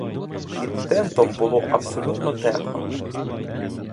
Під тентом було абсолютно темно.